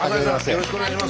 よろしくお願いします。